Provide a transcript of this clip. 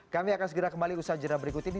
kami akan segera kembali usaha jenah berikut ini